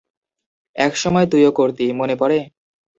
একসময় তুইও করতি, মনে পড়ে?